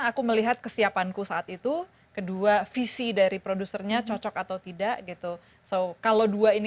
aku melihat kesiapanku saat itu kedua visi dari produsernya cocok atau tidak gitu so kalau dua ini